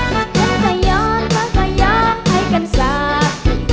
ก็จะย้อนก็จะย้อนให้กันสัก